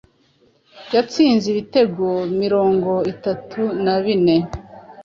Yatsinze ibitego mirongo itatu na bine